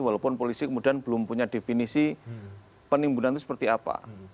walaupun polisi kemudian belum punya definisi penimbunan itu seperti apa